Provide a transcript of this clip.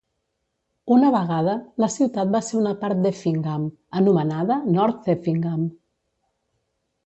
Una vegada, la ciutat va ser una part d'Effingham anomenada "North Effingham".